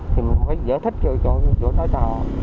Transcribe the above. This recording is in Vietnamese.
thì mình phải giải thích cho chỗ nói chào